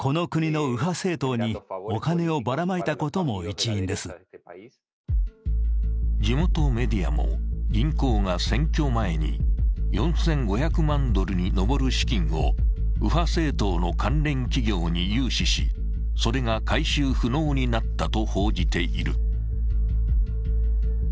イグレシアス氏の調べによると地元メディアも、銀行が選挙前に４５００万ドルに上る資金を右派政党の関連企業に融資しそれが回収不能になったと報じている。